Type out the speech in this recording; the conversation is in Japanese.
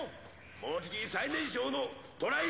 もうじき最年少のトライ